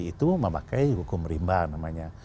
itu memakai hukum rimba namanya